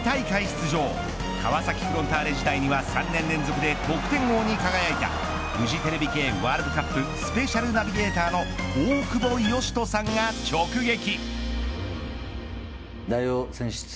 出場川崎フロンターレ時代には３年連続で得点王に輝いたフジテレビ系ワールドカップスペシャルナビゲーターの大久保嘉人さんが直撃。